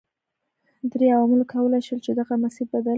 درې عواملو کولای شول چې دغه مسیر بدل کړي.